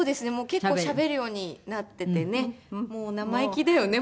結構しゃべるようになっててねもう生意気だよね。